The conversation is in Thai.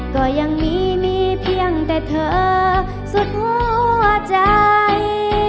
ก็ยังมีมีเพียงแต่เธอสุดหัวใจ